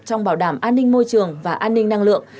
trong bảo đảm an ninh môi trường và an ninh năng lượng